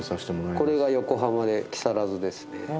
これが横浜で木更津ですね。